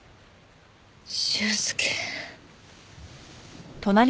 俊介。